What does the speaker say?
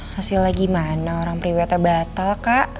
hasilnya gimana orang periwita batal kak